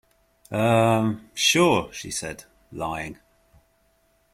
Um... sure, she said, lying.